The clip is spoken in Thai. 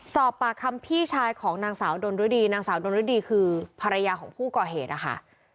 สอบปากคำพี่ชายของนางสาวดนรดีนางสาวดนฤดีคือภรรยาของผู้ก่อเหตุนะคะ